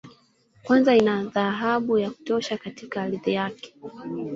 Kwanza ina dhahabu ya kutosha katika ardhi yake